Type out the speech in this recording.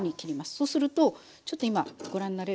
そうするとちょっと今ご覧になれるかしらね。